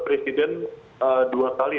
presiden dua kali